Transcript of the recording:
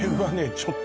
ちょっと